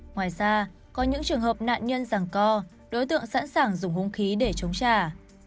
ngoài ra có những trường hợp nạn nhân rằng co đối tượng sẵn sàng dùng hung khí để chống trả